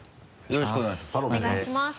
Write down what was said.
よろしくお願いします。